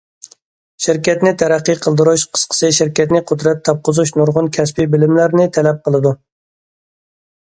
شىركەتنى تەرەققىي قىلدۇرۇش، قىسقىسى شىركەتنى قۇدرەت تاپقۇزۇش نۇرغۇن كەسپىي بىلىملەرنى تەلەپ قىلىدۇ.